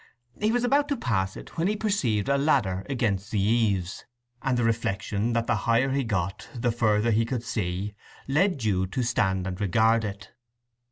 He was about to pass it when he perceived a ladder against the eaves; and the reflection that the higher he got, the further he could see, led Jude to stand and regard it.